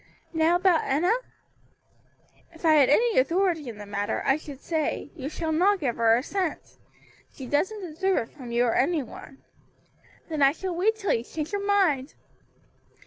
Now about Enna?" "If I had any authority in the matter, I should say, you shall not give her a cent. She doesn't deserve it from you or any one." "Then I shall wait till you change your mind."